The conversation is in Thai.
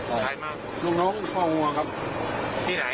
ที่ไหนที่ไหนที่ไม่อยู่ตรงนี้หรือเปล่าที่บ้านหรือเปล่าที่บ้าน